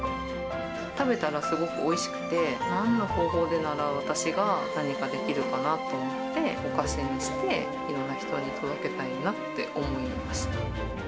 食べたらすごくおいしくて、なんの方法でなら私が何かできるかなと思って、お菓子にして、いろんな人に届けたいなって思いました。